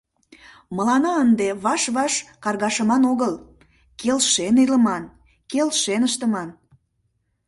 - Мыланна ынде ваш-ваш каргашыман огыл, келшен илыман, келшен ыштыман.